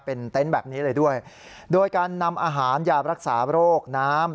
เป็นเต็นต์แบบนี้เลยด้วยโดยการนำอาหารยารักษาโรคน้ำ